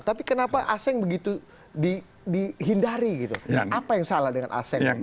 tapi kenapa aseng begitu dihindari gitu apa yang salah dengan aseng